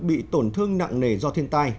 bị tổn thương nặng nề do thiên tai